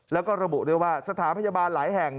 แล้วก็ระบุด้วยว่าสถานพยาบาลหลายแห่ง